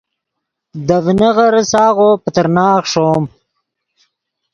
دے ڤینغیرے ساغو پیترناغ ݰوم